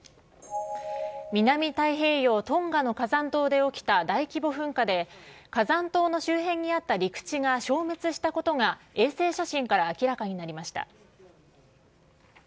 南太平洋、トンガの火山島で起きた大規模噴火で、火山島の周辺にあった陸地が消滅したことが、衛星写真から明らかになりました。